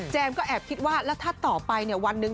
ก็แอบคิดว่าแล้วถ้าต่อไปเนี่ยวันหนึ่ง